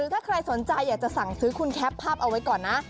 ถ้าใครสนใจอยากจะสั่งซื้อคุณแคปภาพเอาไว้ก่อนนะ